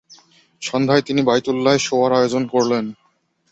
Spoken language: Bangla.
সন্ধ্যায় তিনি বাইতুল্লায় শোয়ার আয়োজন করলেন।